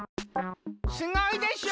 すごいでしょ！